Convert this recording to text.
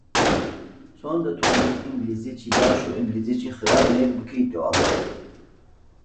چۆن دەتوانیت ئینگلیزییەکی باش و ئینگلیزییەکی خراپ لێک بکەیتەوە؟